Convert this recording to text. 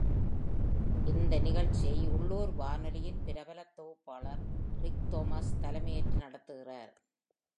இந்த நிகழ்ச்சியை உள்ளூர் வானொலியின் பிரபலத் தொகுப்பாளர் Rick Thomas தலைமையேற்று நடத்துகிறார்.